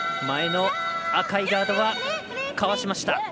前の赤いガードはかわしました。